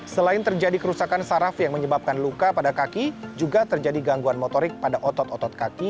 selain terjadi kerusakan saraf yang menyebabkan luka pada kaki juga terjadi gangguan motorik pada otot otot kaki